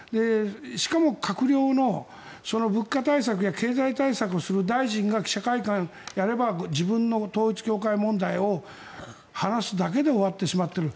しかも、閣僚の物価対策や経済対策をする大臣が記者会見をやれば自分の統一教会問題を話すだけで終わってしまっている。